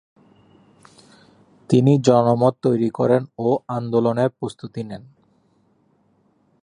তিনি জনমত তৈরি করেন ও আন্দোলনের প্রস্তুতি নেন।